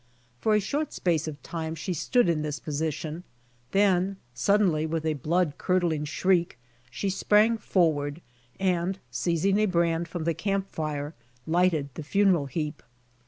For a short space of time she stood in this position. Then, suddenly with a blood curdling shriek, she sprang forward and seizing a brand from the camp THE PACK TRAIN 127 fire lighted the funeral heap.